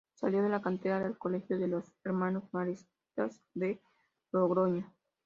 Salió de la cantera del colegio de los Hermanos Maristas de Logroño.